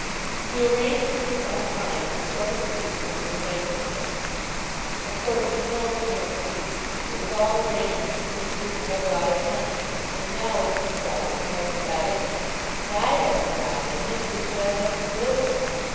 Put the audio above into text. He arranged in his own mind the sort of speech that he would make to her. "Of course you know it can't be. It was all arranged because you were to have a lot of money, and now it turns out that you haven't got any. And I haven't got any, and we should have nothing to live upon.